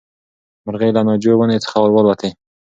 مرغۍ له ناجو ونې څخه والوتې.